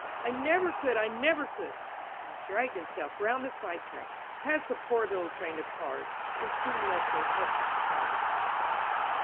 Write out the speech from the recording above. I never could! I never could!*' And he dragged himself round on the sidetrack, passed the poor little Train of Cars and soon left her helpless, far behind